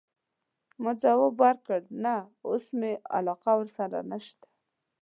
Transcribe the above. ما ځواب ورکړ: نه، اوس مي علاقه ورسره نشته.